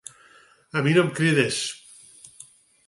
A mi no em crides!